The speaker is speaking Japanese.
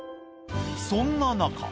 そんな中。